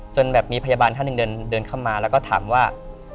จนแบบมีพยาบาลท่านหนึ่งเดินเข้ามาแล้วก็ถามว่า